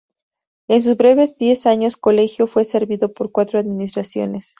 En sus breves diez años Colegio fue servido por cuatro administraciones.